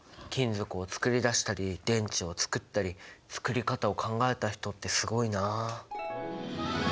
金属を作り出したり電池を作ったり作り方を考えた人ってすごいなあ。